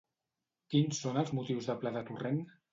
Quins són els motius de pla de Torrent?